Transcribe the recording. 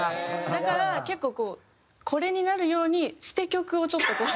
だから結構こうこれになるように捨て曲をちょっとこう。